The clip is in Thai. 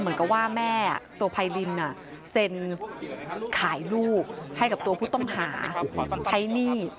เหมือนกับว่าแม่ตัวไพรินเซ็นขายลูกให้กับตัวผู้ต้องหาใช้หนี้